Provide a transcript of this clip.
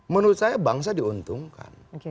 menurut saya bangsa diuntungkan